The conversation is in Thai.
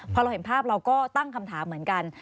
พอเราเห็นภาพเราก็ตั้งคำถามเหมือนกัน